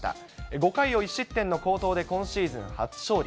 ５回を１失点の好投で今シーズン初勝利。